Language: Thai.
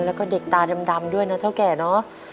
แล้วก็เด็กตาดำด้วยนะเท่าแก่เนอะ